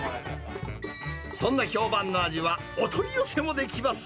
そんな評判の味は、お取り寄せもできます。